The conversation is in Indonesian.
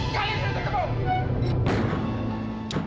kalian serta kebun